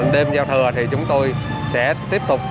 đêm giao thừa thì chúng tôi sẽ tiếp tục